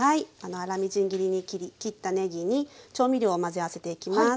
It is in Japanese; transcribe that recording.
粗みじん切りに切ったねぎに調味料を混ぜ合わせていきます。